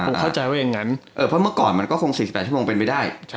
ผมเข้าใจว่าอย่างนั้นเออเพราะเมื่อก่อนมันก็คงสี่สิบแปดชั่วโมงเป็นไปได้ใช่